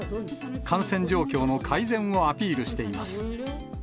感染状況の改善をアピールしています。